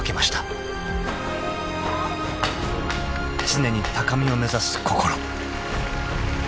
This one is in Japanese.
［常に高みを目指す心］